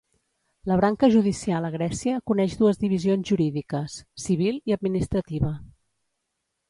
La branca judicial a Grècia coneix dues divisions jurídiques: civil i administrativa.